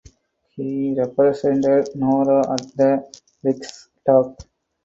He represented Nora at the Riksdag.